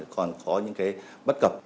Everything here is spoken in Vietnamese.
còn có những bất cập